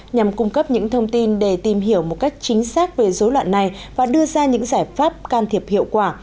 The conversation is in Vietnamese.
nhằm cung cấp những thông tin để tìm hiểu một cách chính xác về dối loạn này và đưa ra những giải pháp can thiệp hiệu quả